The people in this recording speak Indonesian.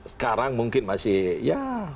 sekarang mungkin masih ya